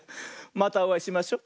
またおあいしましょ。